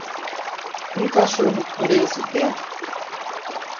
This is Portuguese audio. um cachorro preso dentro